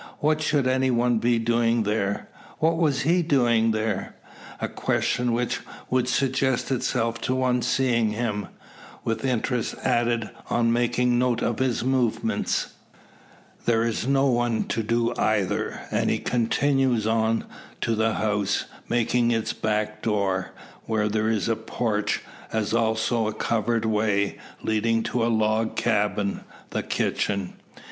What should any one be doing there? What is he doing there? A question which would suggest itself to one seeing him; with interest added on making note of his movements. There is no one to do either; and he continues on to the house, making for its back door, where there is a porch, as also a covered way, leading to a log cabin the kitchen.